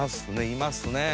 いますね。